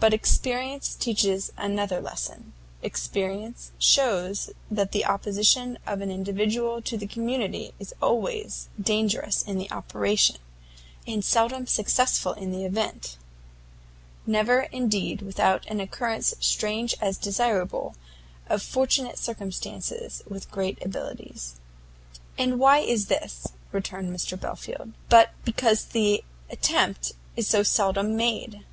But experience teaches another lesson; experience shows that the opposition of an individual to a community is always dangerous in the operation, and seldom successful in the event; never, indeed, without a concurrence strange as desirable, of fortunate circumstances with great abilities." "And why is this," returned Belfield, "but because the attempt is so seldom made?